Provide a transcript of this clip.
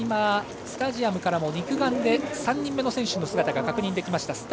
スタジアムからも肉眼で３人目の選手が確認できました。